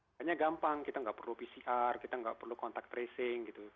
makanya gampang kita nggak perlu pcr kita nggak perlu kontak tracing gitu